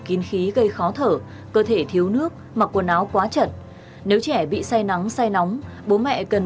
kín khí gây khó thở cơ thể thiếu nước mặc quần áo quá chật nếu trẻ bị say nắng say nóng bố mẹ cần